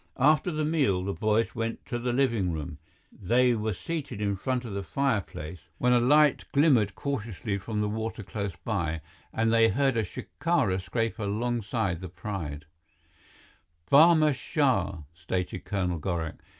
After the meal, the boys went to the living room. They were seated in front of the fireplace, when a light glimmered cautiously from the water close by, and they heard a shikara scrape alongside the Pride. "Barma Shah," stated Colonel Gorak.